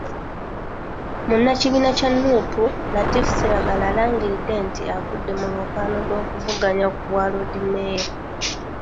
Munnakibiina kya Nuupu, Latif Ssebaggala alangiridde nti, avudde mu lwokaano lw'okuvuganya ku bwa Loodimmeeya.